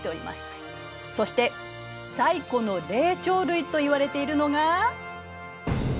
そして最古の霊長類といわれているのが。